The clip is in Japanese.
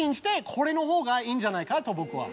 これのほうがいいんじゃないかと僕は。